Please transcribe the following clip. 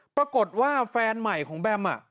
ปรากฏว่าแฟนใหม่ของแบม